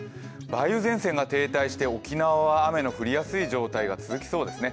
梅雨前線が停滞していて沖縄は雨の降りやすい状態が続きそうです。